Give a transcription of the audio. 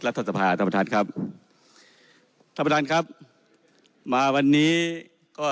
รัฐสภาท่านประธานครับท่านประธานครับมาวันนี้ก็